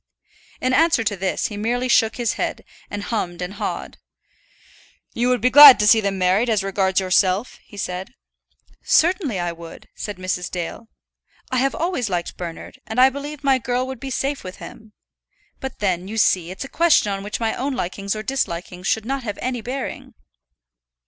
In answer to this he merely shook his head, and hummed and hawed. "You would be glad to see them married, as regards yourself?" he asked. "Certainly I would," said Mrs. Dale. "I have always liked Bernard, and I believe my girl would be safe with him. But then, you see, it's a question on which my own likings or dislikings should not have any bearing."